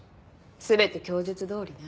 全て供述どおりね。